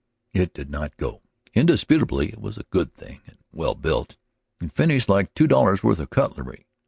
It did not go. Indisputably it was a good thing, and well built, and finished like two dollars' worth of cutlery.